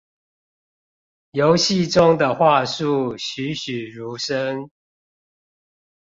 遊戲中的樺樹栩詡如生